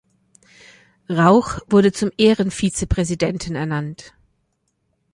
Rauch wurde zum Ehren-Vizepräsidenten ernannt.